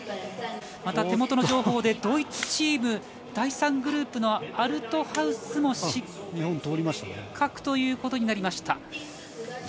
手元の情報でドイツチーム第３グループのアルトハウスも失格ということになりました。